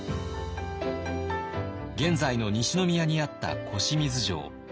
現在の西宮にあった越水城。